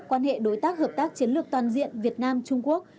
quan hệ đối tác hợp tác chiến lược toàn diện việt nam trung quốc